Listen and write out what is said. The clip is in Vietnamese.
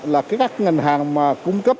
là các ngành hàng mà cung cấp